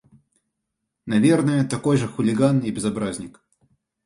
– Наверное, такой же хулиган и безобразник.